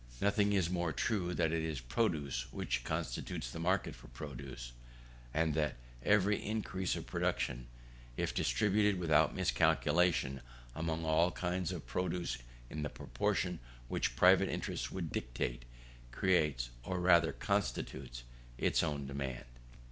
Nothing is more true than that it is produce which constitutes the market for produce, and that every increase of production, if distributed without miscalculation among all kinds of produce in the proportion which private interest would dictate, creates, or rather constitutes, its own demand.